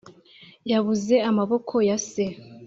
yabuze amaboko, ya se